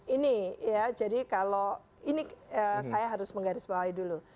ini ya jadi kalau ini saya harus menggarisbawahi dulu